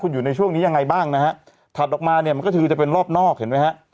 อยู่ในช่วงนี้ยังไงบ้างนะฮะถัดออกมาเนี่ยมันก็คือจะเป็นรอบนอกเห็นไหมฮะ